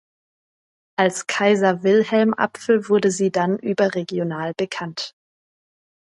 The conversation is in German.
Als Kaiser-Wilhelm-Apfel wurde sie dann überregional bekannt.